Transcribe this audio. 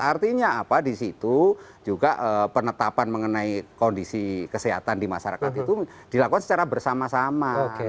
artinya apa di situ juga penetapan mengenai kondisi kesehatan di masyarakat itu dilakukan secara bersama sama